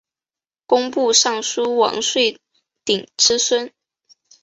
工部尚书王舜鼎之孙。